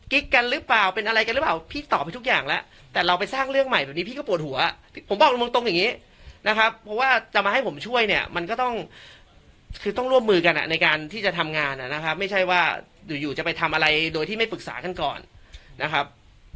กันหรือเปล่าเป็นอะไรกันหรือเปล่าพี่ตอบให้ทุกอย่างแล้วแต่เราไปสร้างเรื่องใหม่แบบนี้พี่ก็ปวดหัวผมบอกตรงอย่างนี้นะครับเพราะว่าจะมาให้ผมช่วยเนี่ยมันก็ต้องคือต้องร่วมมือกันในการที่จะทำงานนะครับไม่ใช่ว่าอยู่อยู่จะไปทำอะไรโดยที่ไม่ปรึกษากันก่อนนะครับ